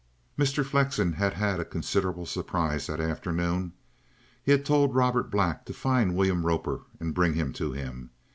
Mr. Flexen had had a considerable surprise that afternoon. He had told Robert Black to find William Roper and bring him to him.